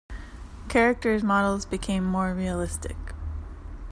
Characters models became more realistic.